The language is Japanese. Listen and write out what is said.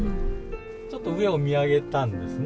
ちょっと上を見上げたんですね。